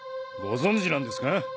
ご存じなんですか？